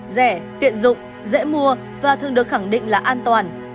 rẻ tiện dụng dễ mua và thường được khẳng định là an toàn